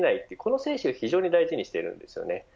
この精神を非常に大事にしているんです。